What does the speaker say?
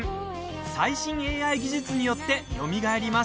最新 ＡＩ 技術によってよみがえります。